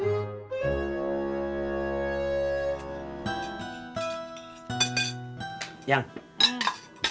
ini mbak mbak ketinggalan